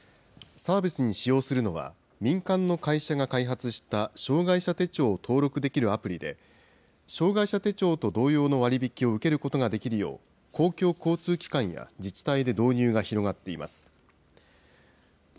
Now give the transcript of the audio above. サービスに使用するのは、民間の会社が開発した障害者手帳を登録できるアプリで、障害者手帳と同様の割引を受けることができるよう、公共交通機関や自治体で導入が広がっています。